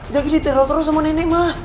jaki ditirau terus sama nenek ma